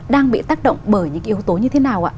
đang bị tác động bởi những cái yếu tố như thế nào ạ